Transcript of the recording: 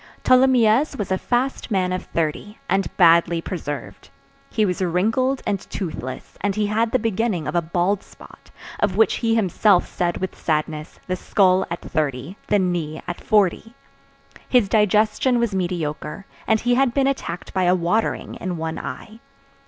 Tholomyès was a fast man of thirty, and badly preserved. He was wrinkled and toothless, and he had the beginning of a bald spot, of which he himself said with sadness, the skull at thirty, the knee at forty. His digestion was mediocre, and he had been attacked by a watering in one eye.